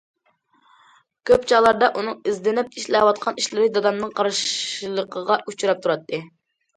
كۆپ چاغلاردا ئۇنىڭ ئىزدىنىپ ئىشلەۋاتقان ئىشلىرى دادامنىڭ قارشىلىقىغا ئۇچراپ تۇراتتى.